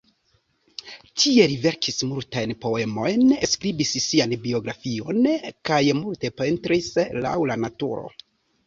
Tie li verkis multajn poemojn, skribis sian biografion kaj multe pentris laŭ la naturo.